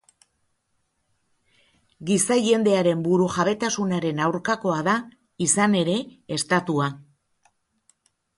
Gizajendearen burujabetasunaren aurkakoa da, izan ere, estatua.